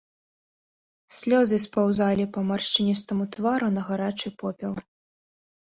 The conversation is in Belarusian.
Слёзы спаўзалі па маршчыністаму твару на гарачы попел.